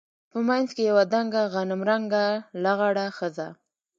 په منځ کښې يوه دنګه غنم رنګه لغړه ښځه.